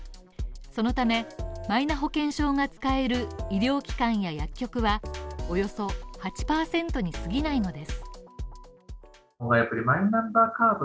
そのため、マイナ保険証が使える医療機関や薬局はおよそ８％に過ぎないのです。